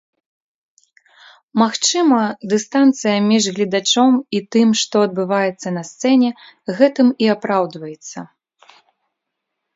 Магчыма, дыстанцыя між гледачом і тым, што адбываецца на сцэне, гэтым і апраўдваецца.